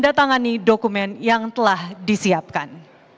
tanda tangani dokumen yang telah disiapkan